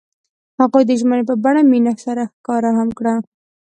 هغوی د ژمنې په بڼه مینه سره ښکاره هم کړه.